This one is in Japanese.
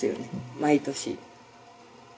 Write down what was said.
毎年。